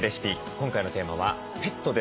今回のテーマは「ペット」です。